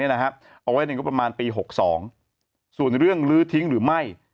เอาไว้ในงบประมาณปี๖๒ส่วนเรื่องลื้อทิ้งหรือไม่